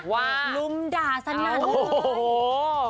ว่าลุมด่าสนั่นเยอะเยอะเยอะ